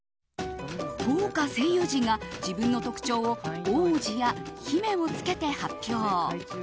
豪華声優陣が自分の特徴を王子や姫をつけて発表。